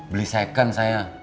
beli second saya